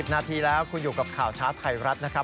นาทีแล้วคุณอยู่กับข่าวเช้าไทยรัฐนะครับ